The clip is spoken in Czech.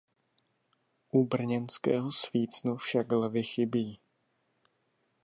U brněnského svícnu však lvi chybí.